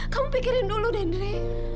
kamu pikirin dulu dre